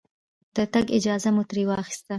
د تګ اجازه مو ترې واخسته.